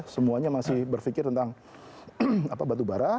semuanya masih berpikir tentang batubara